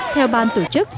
theo ban tổ chức